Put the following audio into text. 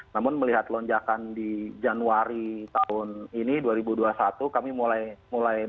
namun melihat lonjakan di januari tahun ini dua ribu dua puluh satu kami mulai